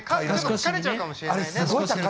疲れちゃうかもしれないね。